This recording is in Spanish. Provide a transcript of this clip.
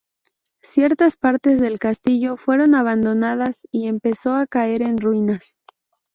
Ciertas partes del castillo fueron abandonadas y empezó a caer en ruinas.